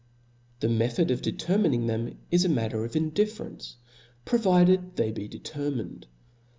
The method of determining them is a matter of indifference, provided they be determined.